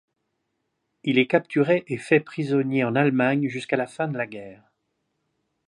Il est capturé et fait prisonnier en Allemagne jusqu'à la fin de la guerre.